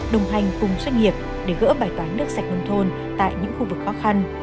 đồng hành cùng doanh nghiệp để gỡ bài toán nước sạch nông thôn tại những khu vực khó khăn